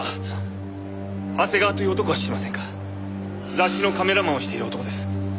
雑誌のカメラマンをしている男です。